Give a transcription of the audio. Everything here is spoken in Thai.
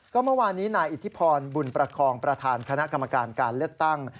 ก็เมื่อวานนี้นายอิทธิพรบุญประคองประธานคณะกรรมการการเลือกตั้ง